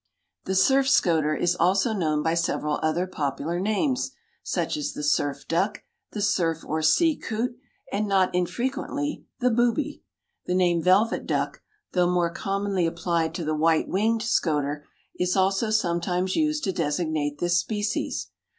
_) The Surf Scoter is also known by several other popular names, such as the Surf Duck, the Surf or Sea Coot and, not infrequently, the Booby. The name Velvet Duck, though more commonly applied to the white winged scoter, is also sometimes used to designate this species.